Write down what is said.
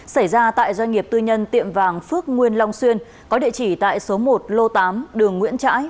xảy ra tại doanh nghiệp tư nhân tiệm vàng phước nguyên long xuyên có địa chỉ tại số một lô tám đường nguyễn trãi